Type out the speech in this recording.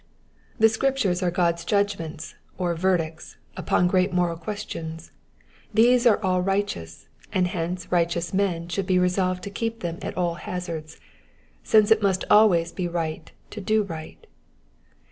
The Scriptures are God^s judgments, or verdicts, upon great moral questions ; these are all righteous, and hence righteous men should be resolved to keep them at all hazards, since it must always be right to do right.